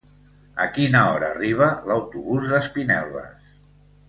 A quina hora arriba l'autobús d'Espinelves?